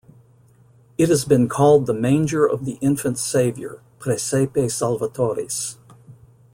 It has been called the Manger of the Infant Saviour, Praesepe Salvatoris.